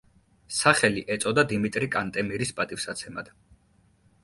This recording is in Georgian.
სახელი ეწოდა დიმიტრი კანტემირის პატივსაცემად.